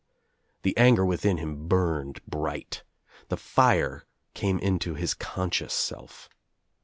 The anger within him burned bright. The fire came into his conscious self.